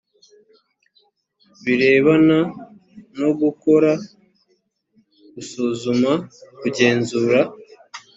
birebana no gukora, gusuzuma, kugenzura